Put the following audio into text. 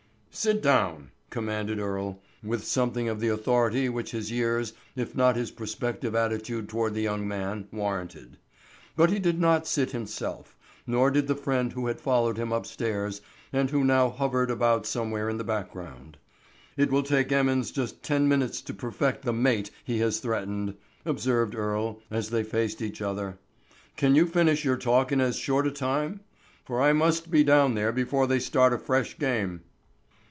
"Sit down!" commanded Earle, with something of the authority which his years, if not his prospective attitude toward the young man warranted. But he did not sit himself, nor did the friend who had followed him upstairs and who now hovered about somewhere in the background. "It will take Emmons just ten minutes to perfect the 'mate' he has threatened," observed Earle as they faced each other. "Can you finish your talk in as short a time? For I must be down there before they start a fresh game."